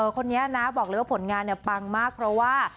คนนี้นะบอกเลยว่าผลงานปังมากเพราะว่า